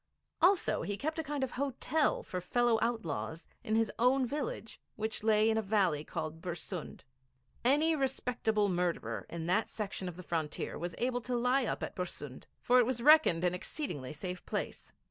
Also, he kept a kind of hotel for fellow outlaws in his own village, which lay in a valley called Bersund. Any respectable murderer on that section of the frontier was sure to lie up at Bersund, for it was reckoned an exceedingly safe place.